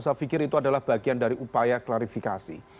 saya pikir itu adalah bagian dari upaya klarifikasi